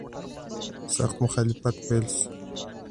سخت مخالفت پیل شو.